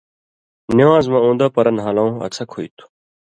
نِوان٘ز مہ اُن٘دہ پرہ نھالُوں اڅھک ہُوئ تھُو۔